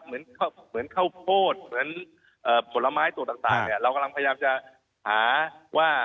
เหมือนข้าวโพดเหมือนผลไม้ตัวต่างเนี่ยเรากำลังพยายามจะหาว่า